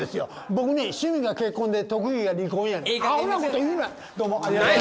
僕ね趣味が結婚で特技が離婚やねんええ